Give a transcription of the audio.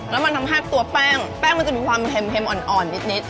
แล้วมันทำให้ตัวแป้งเผ็มอ่อนนิด